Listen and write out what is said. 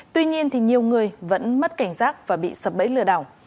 tuy nhiên thì nhiều người vẫn mất cảnh giác và bị sập bẫy lừa đảo